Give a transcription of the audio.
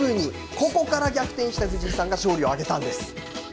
ここから逆転した藤井さんが勝利を挙げたんです。